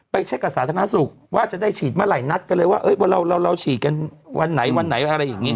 เช็คกับสาธารณสุขว่าจะได้ฉีดเมื่อไหร่นัดกันเลยว่าเราฉีดกันวันไหนวันไหนอะไรอย่างนี้